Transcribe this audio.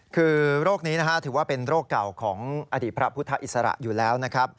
คือโรคนี้นะฮะถือว่าเป็นโรคเก่าของอดีตพระพุทธอิสระอยู่แล้วนะครับ